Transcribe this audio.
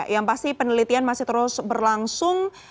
yang pasti penelitian masih terus berlangsung